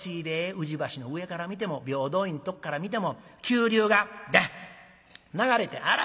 宇治橋の上から見ても平等院とっから見ても急流がビャッ流れてあら